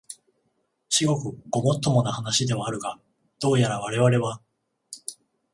至極ごもっともな話ではあるが、どうやらわれわれは、